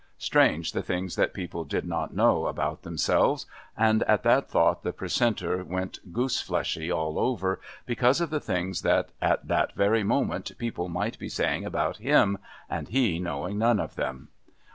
Strange the things that people did not know about themselves! and at that thought the Precentor went goose fleshy all over, because of the things that at that very moment people might be saying about him and he knowing none of them!